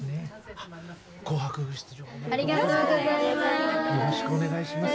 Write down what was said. ありがとございます。